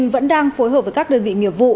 vẫn đang phối hợp với các đơn vị nghiệp vụ